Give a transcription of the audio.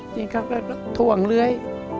จริงเขาก็ถ่วงเลื้อย